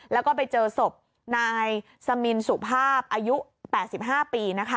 แล้วก็ไปเจอศพนายสมินสุภาพอายุ๘๕ปี